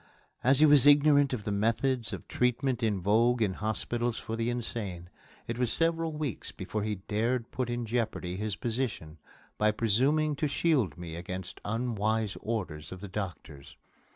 As he was ignorant of the methods of treatment in vogue in hospitals for the insane, it was several weeks before he dared put in jeopardy his position by presuming to shield me against unwise orders of the doctors.